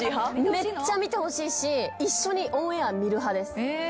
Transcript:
めっちゃ見てほしいし一緒にオンエア見る派です。